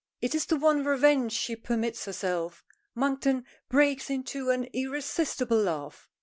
It is the one revenge she permits herself. Monkton breaks into an irresistible laugh.